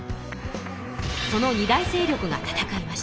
その二大勢力が戦いました。